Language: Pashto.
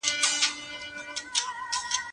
د اقتصاد بنسټ پخوا ایښودل شوی و.